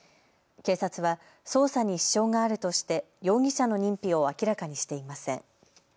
警察は捜査に支障があるとして容疑者の認否を明らかにしていません。